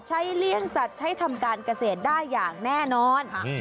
เลี่ยงสัตว์ใช้ทำการเกษตรได้อย่างแน่นอน